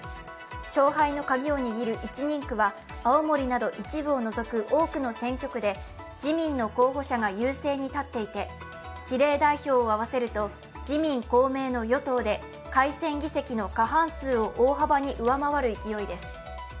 勝敗の鍵を握る１人区は青森など一部を除く多くの選挙区で自民の候補者が優勢に立っていて比例代表を合わせると自民・公明の与党で改選議席の過半数を大幅に上回る勢いです。